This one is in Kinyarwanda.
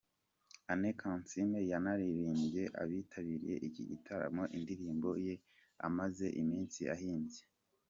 Anne Kansiime yanaririmbiye abitabiriye iki gitaramo indirimbo ye amaze iminsi ahimbye.